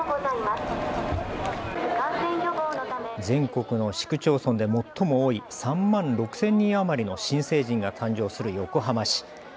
全国の市区町村で最も多い３万６０００人余りの新成人が誕生する横浜市。